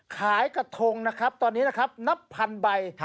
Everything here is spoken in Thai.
ขายกระทงนะครับตอนนี้นะครับนับพันใบ